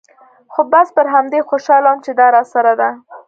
خو بس پر همدې خوشاله وم چې دا راسره ده.